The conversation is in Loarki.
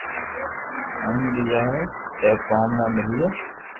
ھيم پيئا بي اي ڪوم را ملئي